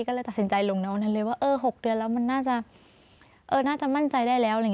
ก็เลยตัดสินใจลงในวันนั้นเลยว่า๖เดือนแล้วมันน่าจะน่าจะมั่นใจได้แล้ว